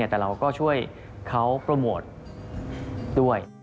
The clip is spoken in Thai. แต่เราก็ช่วยเขาโปรโมทด้วย